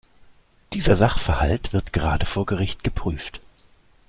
Dieser Sachverhalt wird gerade vor Gericht geprüft.